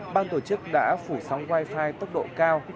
ban tổ chức đã phủ sóng wifi tốc độ cao